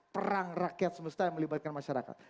perang rakyat semesta yang melibatkan masyarakat